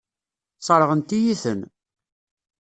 Sseṛɣent-iyi-ten.